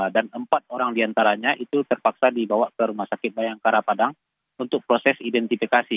dan empat orang diantaranya itu terpaksa dibawa ke rumah sakit bayangkara padang untuk proses identifikasi